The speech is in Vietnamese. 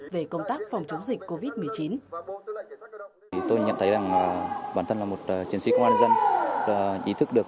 về công tác phòng chống dịch covid một mươi chín